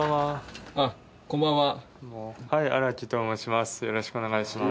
荒木と申します。